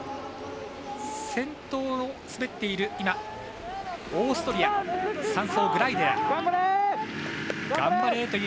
先頭を滑っているオーストリア３走、グライデラー。